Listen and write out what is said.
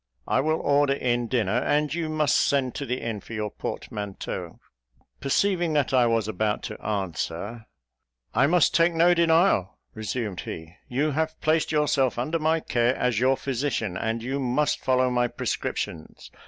I will order in dinner, and you must send to the inn for your portmanteau." Perceiving that I was about to answer, "I must take no denial," resumed he. "You have placed yourself under my care as your physician, and you must follow my prescriptions.